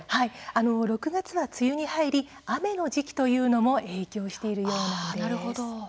６月は梅雨に入り雨の時期というのも関係しているようです。